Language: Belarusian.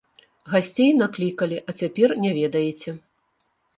Гасцей наклікалі, а цяпер не ведаеце.